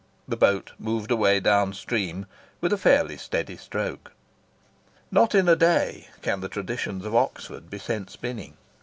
The boat moved away down stream, with a fairly steady stroke. Not in a day can the traditions of Oxford be sent spinning.